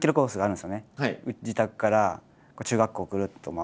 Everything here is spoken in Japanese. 自宅から中学校をぐるっと回って。